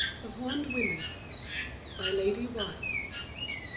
] THE HORNED WOMEN. LADY WILDE.